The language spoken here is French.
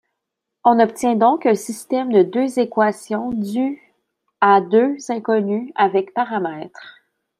On obtient donc un système de deux équations du à deux inconnues, avec paramètres.